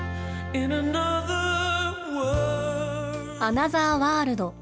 アナザーワールド。